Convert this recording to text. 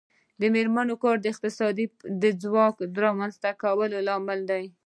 د میرمنو کار د اقتصادي خپلواکۍ رامنځته کولو لامل دی.